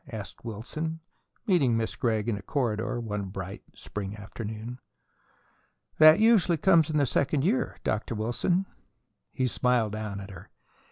asked Wilson, meeting Miss Gregg in a corridor one bright, spring afternoon. "That usually comes in the second year, Dr. Wilson." He smiled down at her.